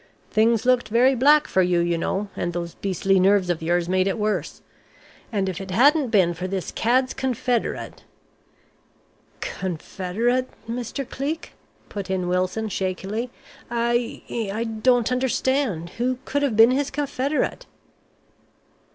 Things looked very black for you, you know, and those beastly nerves of yours made it worse. And if it hadn't been for this cad's confederate " "Confederate, Mr. Cleek?" put in Wilson shakily. "I I don't understand. Who could have been his confederate?"